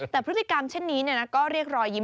แต่พฤติกรรมเช่นนี้ก็เรียกรอยยิ้ม